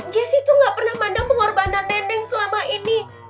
jessy tuh gak pernah mandang pengorbanan neneng selama ini